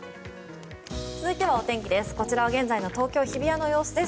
続いてはお天気です。